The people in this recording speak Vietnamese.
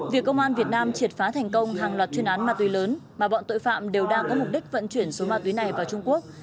việc công an việt nam triệt phá thành công hàng loạt chuyên án ma túy lớn mà bọn tội phạm đều đang có mục đích vận chuyển số ma túy này vào trung quốc